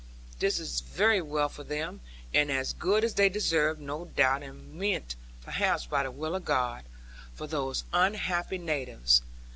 This is very well for them; and as good as they deserve, no doubt, and meant perhaps by the will of God, for those unhappy natives.